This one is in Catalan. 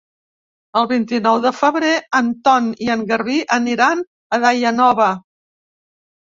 El vint-i-nou de febrer en Ton i en Garbí aniran a Daia Nova.